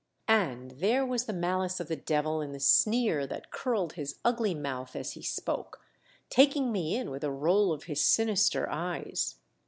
And there was the malice of the devil in the sneer that curled his ugly mouth as he spoke, taking me in with a roll of his sinister eyes.